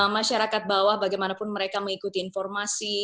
masyarakat bawah bagaimanapun mereka mengikuti informasi